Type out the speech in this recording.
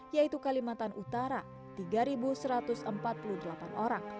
yaitu kalimantan utara tiga satu ratus empat puluh delapan orang